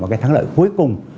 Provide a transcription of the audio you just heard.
một cái thắng lợi cuối cùng